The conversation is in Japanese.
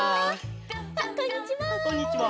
あっこんにちは。